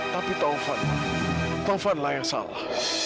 tapi taufan taufan lah yang salah